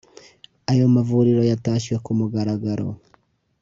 Ayo mavuriro yatashywe ku mugaragaro